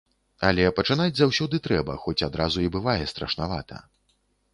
Але пачынаць заўсёды трэба, хоць адразу і бывае страшнавата.